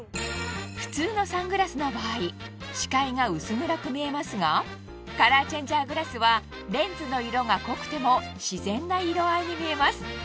普通のサングラスの場合視界が薄暗く見えますがカラーチェンジャーグラスはレンズの色が濃くても自然な色合いに見えます